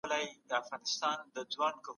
تدريس د يوې موضوع تشريح کوي.